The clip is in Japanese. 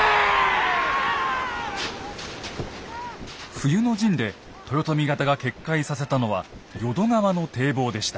冬の陣で豊臣方が決壊させたのは淀川の堤防でした。